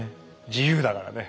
自由だからね。